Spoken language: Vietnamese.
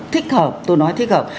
thích hợp tôi nói thích hợp